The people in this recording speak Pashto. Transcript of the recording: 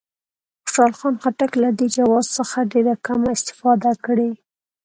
خوشحال خان خټک له دې جواز څخه ډېره کمه استفاده کړې.